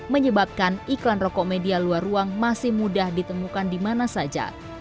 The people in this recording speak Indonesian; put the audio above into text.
menyebabkan iklan rokok media luar ruang masih mudah ditemukan di mana saja